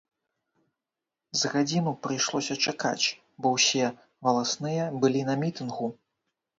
З гадзіну прыйшлося чакаць, бо ўсе валасныя былі на мітынгу.